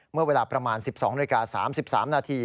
เมื่อเวลาประมาณ๑๒นาฬิกา๓๓นาที